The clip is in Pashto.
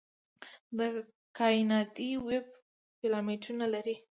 د کائناتي ویب فیلامنټونه لري.